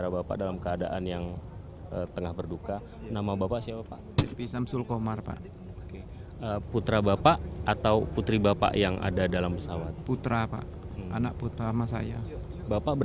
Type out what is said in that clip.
bapak kenali sekali kenapa pak